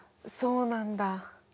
そうなんだ。